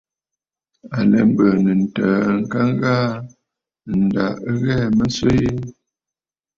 À lɛ mbɨ̀ɨ̀nə̀ ntəə ŋka ghaa, ǹda ɨ ghɛɛ̀ mə swee.